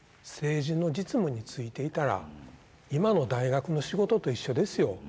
政治の実務に就いていたら今の大学の仕事と一緒ですよ。